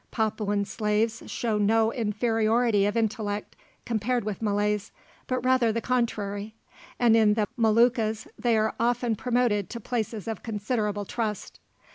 Papuan slaves show no inferiority of intellect, compared with Malays, but rather the contrary; and in the Moluccas they are often promoted to places of considerable trust.